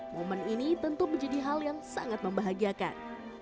momen ini tentu menjadi hal yang sangat membahagiakan